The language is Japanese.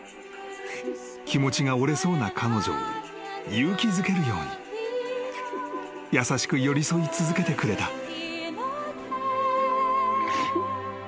［気持ちが折れそうな彼女を勇気づけるように優しく寄り添い続けてくれた］